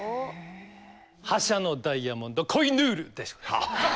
覇者のダイヤモンドコ・イ・ヌールでした。